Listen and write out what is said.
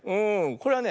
これはね